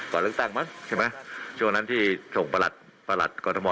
ก่อนเลือกตั้งมั้งใช่ไหมช่วงนั้นที่ส่งประหลัดประหลัดกรทม